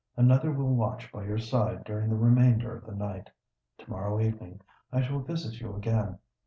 "Another will watch by your side during the remainder of the night. To morrow evening I shall visit you again.